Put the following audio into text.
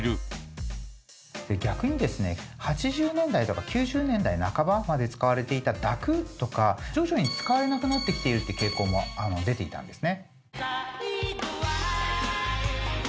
逆にですね８０年代とか９０年代半ばまで使われていた「抱く」とか徐々に使われなくなってきているっていう傾向も出ていたんですね。